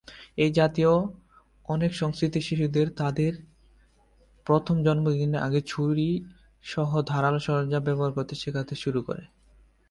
এই জাতীয় অনেক সংস্কৃতি শিশুদের তাদের প্রথম জন্মদিনের আগে ছুরি সহ ধারালো সরঞ্জাম ব্যবহার করতে শেখাতে শুরু করে।